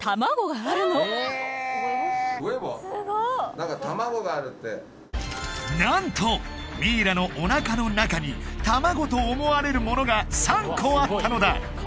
何か卵があるって何とミイラのおなかの中に卵と思われるものが３個あったのだ！